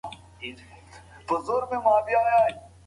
ډاکټران وايي اعتدال غوره دی.